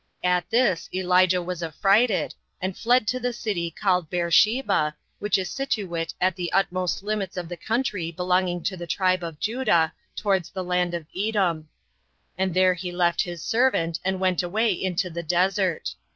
At this Elijah was affrighted, and fled to the city called Beersheba, which is situate at the utmost limits of the country belonging to the tribe of Judah, towards the land of Edom; and there he left his servant, and went away into the desert.